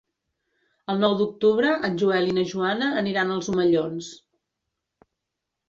El nou d'octubre en Joel i na Joana aniran als Omellons.